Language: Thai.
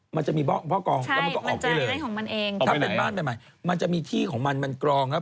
มันจะมีเบาะกองแล้วมันก็ออกได้เลยถ้าเป็นบ้านใหม่ใหม่มันจะมีที่ของมันมันกรองแล้ว